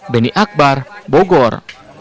beni akbar bogor